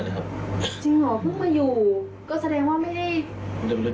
ทีเดียวทีเดียวแล้วก็ใหญ่ที่สูง